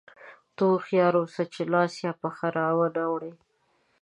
ته هوښیار اوسه چې لاس یا پښه را وانه وړې.